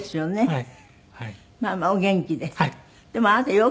はい。